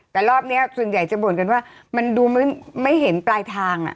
แต่รอบนี้ส่วนใหญ่จะบ่นกันว่ามันดูไม่เห็นปลายทาง